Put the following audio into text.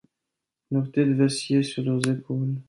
Leur tête vacillait sur leurs épaules.